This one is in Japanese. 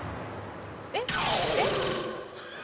えっえっ！？